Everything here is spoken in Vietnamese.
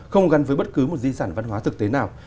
không gắn với bất cứ một di sản văn hóa thực tế nào